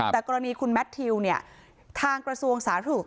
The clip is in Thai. แต่กรณีคุณแมททิวเนี่ยทางกระทรวงสาธารณสุข